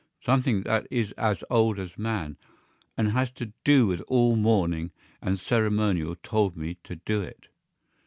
Something that is as old as man and has to do with all mourning and ceremonial told me to do it.